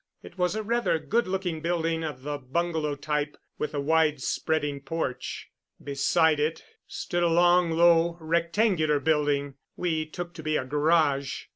It was a rather good looking building of the bungalow type with a wide spreading porch. Beside it stood a long, low, rectangular building we took to be a garage.